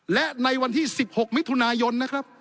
และในวันที่๑๖มิถุนายน